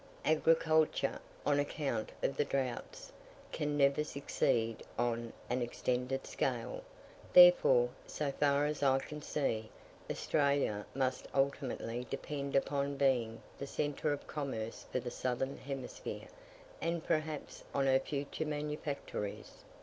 Agriculture, on account of the droughts, can never succeed on an extended scale: therefore, so far as I can see, Australia must ultimately depend upon being the centre of commerce for the southern hemisphere, and perhaps on her future manufactories.